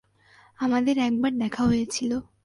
আমাদের একবার দেখা হয়েছিল।